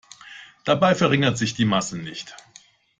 Dabei verringert sich die Masse nicht.